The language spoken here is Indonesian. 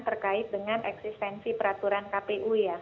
terkait dengan eksistensi peraturan kpu ya